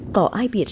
có ai biết sao